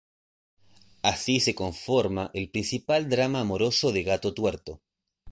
Así se conforma el principal drama amoroso de Gato Tuerto.